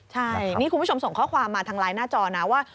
ใช่นี่คุณผู้ชมส่งข้อความมาทางไลน์หน้าจอนะว่า